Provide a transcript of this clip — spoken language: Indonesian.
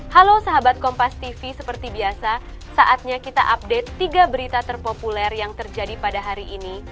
halo sahabat kompas tv seperti biasa saatnya kita update tiga berita terpopuler yang terjadi pada hari ini